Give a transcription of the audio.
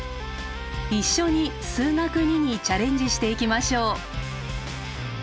一緒に「数学Ⅱ」にチャレンジしていきましょう。